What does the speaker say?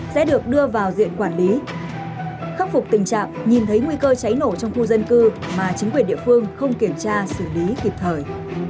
sẽ được đưa vào diện quản lý khắc phục tình trạng nhìn thấy nguy cơ cháy nổ trong khu dân cư mà chính quyền địa phương không kiểm tra xử lý kịp thời